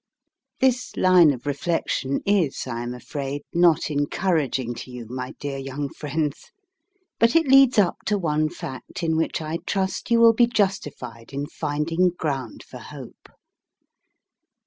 This line of reflection is, I am afraid, not encouraging to you, my dear young friends; but it leads up to one fact in which I trust you will be justified in finding ground for hope.